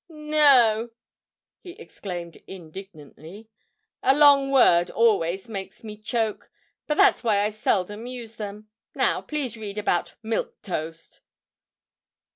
"No," he exclaimed in dig nant ly, "a long word always makes me choke. That's why I seldom use them. Now, please read about Milk Toast."